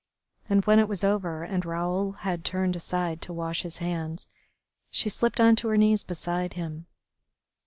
And when it was over and Raoul had turned aside to wash his hands, she slipped on to her knees beside him.